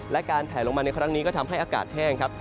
และการแผลลงมาในครั้งนี้ก็ทำให้อากาศแห้งครับ